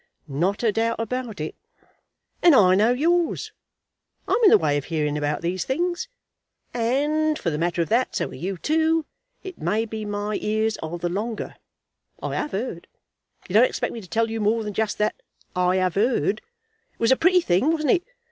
"Not a doubt about it." "And I know yours. I'm in the way of hearing about these things, and for the matter of that, so are you too. It may be, my ears are the longer. I 'ave 'eard. You don't expect me to tell you more than just that. I 'ave 'eard. It was a pretty thing, wasn't it?